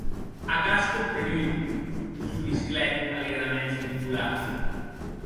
Ac as comprenut!, sorrisclèc alègraments Nicolàs.